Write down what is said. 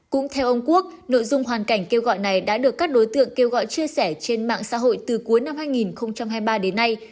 cũng theo ông quốc nội dung hoàn cảnh kêu gọi này đã được các đối tượng kêu gọi chia sẻ trên mạng xã hội từ cuối năm hai nghìn hai mươi ba đến nay